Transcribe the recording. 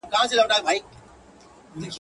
لا یې تنده ورځ په ورځ پسي زیاتیږي !.